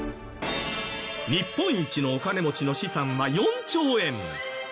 日本一のお金持ちの資産は４兆円。